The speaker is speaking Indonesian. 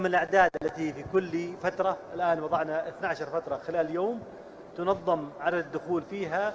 sejahtera atau ketidaktangan khususnya